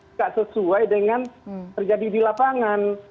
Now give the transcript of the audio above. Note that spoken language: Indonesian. tidak sesuai dengan terjadi di lapangan